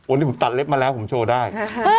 โอ้พอตับเล็บมาแล้วผมโชว์ได้